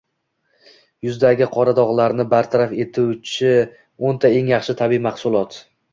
Yuzdagi qora dog‘larni bartaraf etuvchio´nta eng yaxshi tabiiy mahsulot